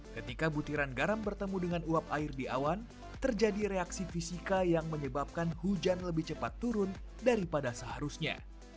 ketika butiran garam bertemu dengan uap air di awan terjadi reaksi fisika yang menyebabkan hujan lebih cepat turun daripada seharusnya